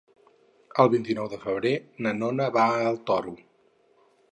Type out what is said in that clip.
El vint-i-nou de febrer na Nora va al Toro.